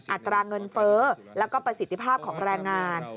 อัตราเงินเฟ้อแล้วก็ประสิทธิภาพของแรงงาน